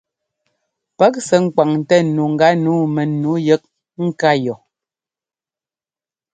Pɛ́k sɛ́ ŋkwaŋtɛ nu gánǔu mɛnu yɛk ŋká yɔ.